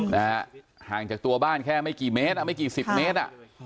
แต่ห่างจากตัวบ้านแค่ไม่กี่เมตรไม่กี่สิบเมตร